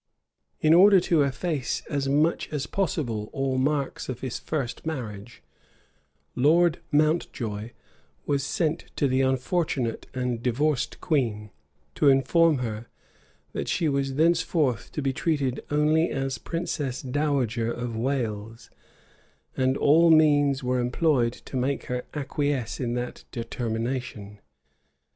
In order to efface as much as possible all marks of his first marriage, Lord Mountjoy was sent to the unfortunate and divorced queen, to inform her, that she was thenceforth to be treated only as princess dowager of Wales; and all means were employed to make her acquiesce in that determination.